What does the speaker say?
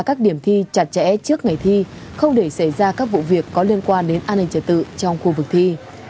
các điểm thi chặt chẽ trước ngày thi không để xảy ra các vụ việc có liên quan đến an ninh trật tự trong khu vực thi